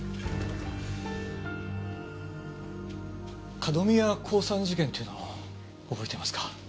角宮興産事件というのを覚えてますか？